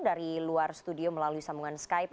dari luar studio melalui sambungan skype